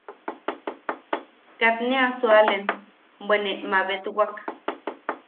Kat ne a sualen bwe ne mabetwak.